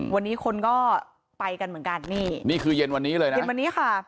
วันนี้คนก็ไปกันเหมือนกันนี่นี่คือเย็นวันนี้เลยนะเย็นวันนี้ค่ะ